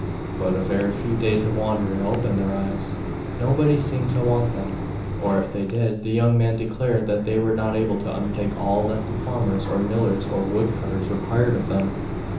But a very few days of wandering opened their eyes. Nobody seemed to want them, or, if they did, the young men declared that they were not able to undertake all that the farmers or millers or woodcutters required of them.